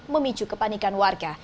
memicu kepanikan warga